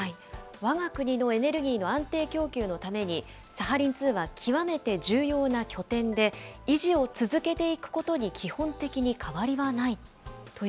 わが国のエネルギーの安定供給のために、サハリン２は極めて重要な拠点で、維持を続けていくことに、基本的に変わりはない。